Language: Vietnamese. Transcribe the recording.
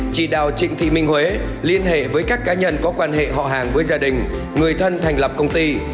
chị đào trịnh thị minh huế liên hệ với các cá nhân có quan hệ họ hàng với gia đình người thân thành lập công ty